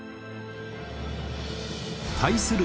対する